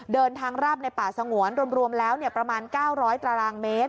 เดินทางราบในป่าสงวนรวมแล้วประมาณ๙๐๐ตารางเมตร